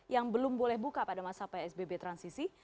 yang belum boleh buka pada masa psbb transisi